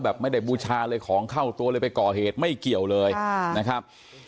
ไม่ได้บูชาเลยของเข้าตัวเลยไปก่อเหตุไม่เกี่ยวเลยนะครับ